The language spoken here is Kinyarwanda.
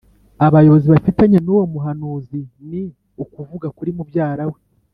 abayobozi bafitanye n’uwo muhanuzi, ni ukuvuga kuri mubyara we